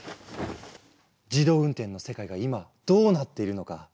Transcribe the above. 自動運転の世界が今どうなっているのか。